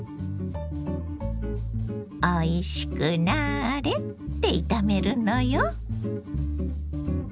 「おいしくなれ」って炒めるのよ。